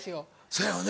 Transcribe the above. そやよね。